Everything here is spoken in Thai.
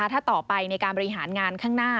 ถ้าต่อไปในการบริหารงานข้างหน้า